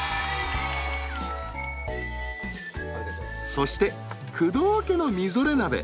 そして工藤家のみぞれ鍋。